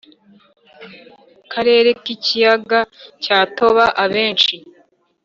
Karere k ikiyaga cya toba abenshi